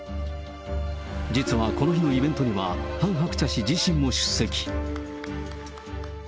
実はこの日のイベントには、ハン・ハクチャ氏自身も出席。